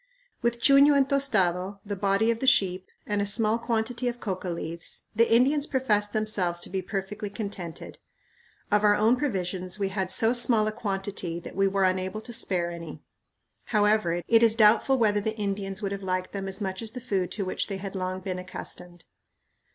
With chuño and tostado, the body of the sheep, and a small quantity of coca leaves, the Indians professed themselves to be perfectly contented. Of our own provisions we had so small a quantity that we were unable to spare any. However, it is doubtful whether the Indians would have liked them as much as the food to which they had long been accustomed.